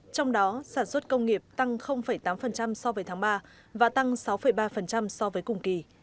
trong đó sản xuất công nghiệp tăng tám so với tháng ba và tăng sáu ba so với cùng kỳ